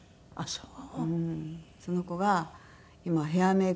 そう。